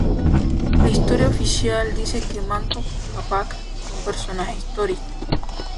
La historia oficial dice que Manco Cápac fue un personaje histórico.